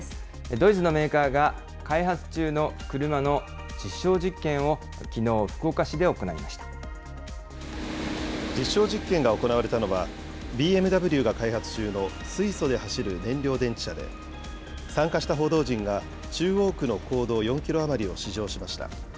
ドイツのメーカーが、開発中の車の実証実験をきのう、福岡市実証実験が行われたのは、ＢＭＷが開発中の水素で走る燃料電池車で、参加した報道陣が中央区の公道４キロ余りを試乗しました。